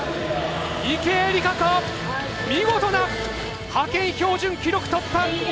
池江璃花子見事な派遣標準記録突破！